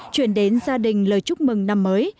chuyển đến gia đình lời chúc mừng năm mới